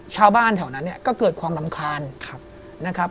ชาวบ้านแถวนั้นก็เกิดความรำคาญ